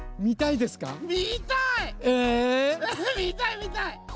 みたい！みたいみたい！